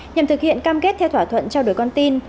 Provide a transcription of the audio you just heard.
nhằm thực hiện cam kết theo thỏa thuận trao đổi con tin